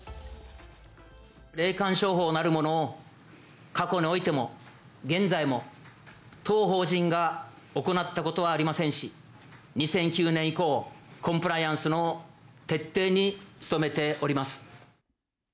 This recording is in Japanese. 霊感商法なるものを過去においても、現在も当法人が行ったことはありませんし、２００９年以降、コンプライアンスの徹底に努めております。